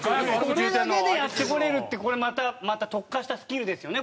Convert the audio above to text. それだけでやってこれるってこれまたまた特化したスキルですよね。